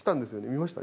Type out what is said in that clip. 見ました？